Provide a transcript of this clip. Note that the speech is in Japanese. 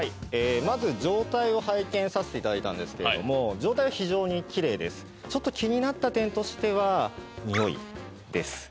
まず状態を拝見させていただいたんですけれどもちょっと気になった点としては匂いです